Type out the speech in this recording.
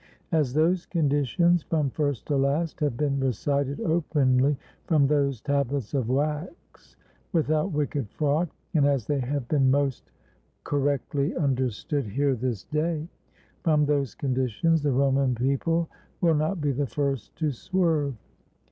As those conditions, from first to last, have been recited openly from those tablets of wax without wicked fraud, and as they have been most cor 262 THE HORATII AND THE CURIATII rectly understood here this day, from those conditions the Roman people will not be the first to swerve.